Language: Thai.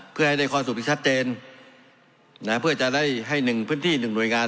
เพื่อให้ได้ความสุขที่ชัดเจนนะเพื่อจะได้ให้หนึ่งพื้นที่หนึ่งหน่วยงาน